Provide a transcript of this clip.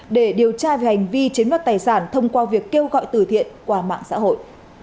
để điều tra về hành vi chiếm đoạt tài sản thông qua việc kêu gọi tử thiện qua mạng xã hội